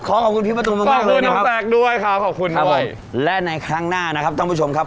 ขอบคุณด้วยครับผมและในครั้งหน้านะครับท่านผู้ชมครับ